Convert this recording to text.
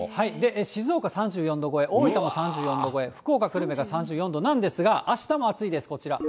静岡３４度超え、大分も３４度超え、福岡・久留米が３４度なんですが、あしたも暑いです、こちら。